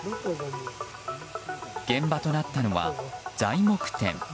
現場となったのは材木店。